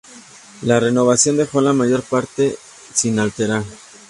La renovación dejó la mayor parte sin alterar.